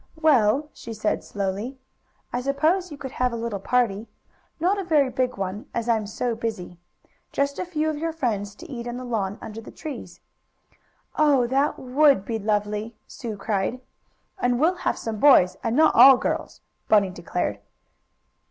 "Well," she said slowly, "I suppose you could have a little party. Not a very big one, as I am so busy. Just a few of your friends to eat on the lawn under the trees." "Oh, that would be lovely!" Sue cried. "And we'll have some boys, and not all girls!" Bunny declared.